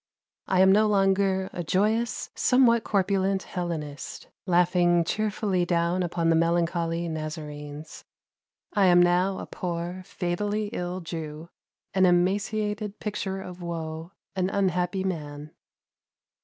I am no longer a joyous, somewhat corpulent Hellenist, laughing cheerfully down upon the melancholy Nazarenes. I am now a poor fatally ill Jew, an emaciated picture of woe, an unhappy man."